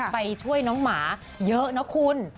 ไปช่วยน้องหมาเยอะนะคุณ